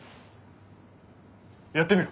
やってみろ。